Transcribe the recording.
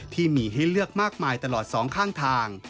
ที่มีให้เลือกมากมายตลอดสองข้างทาง